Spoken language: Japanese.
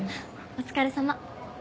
お疲れさま。